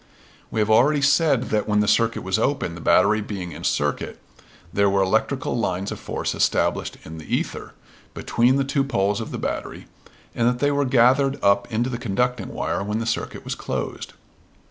We have already said that when the circuit was open, the battery being in circuit, there were electrical lines of force established in the ether, between the two poles of the battery, and that they were gathered up into the conducting wire when the circuit was closed.